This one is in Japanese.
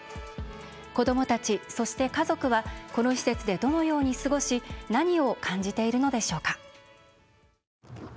子どもたち、そして家族はこの施設でどのように過ごし何を感じているのでしょうか。